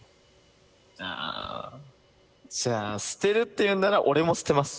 ああじゃあ捨てるっていうんなら俺も捨てます。